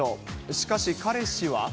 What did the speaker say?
しかし、彼氏は。